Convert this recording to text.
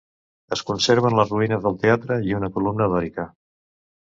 Es conserven les ruïnes del teatre i una columnata dòrica.